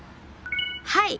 はい。